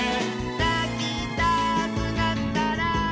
「なきたくなったら」